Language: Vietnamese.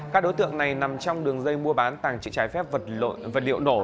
các đối tượng này nằm trong đường dây mua bán tàng trự trái phép vật liệu nổ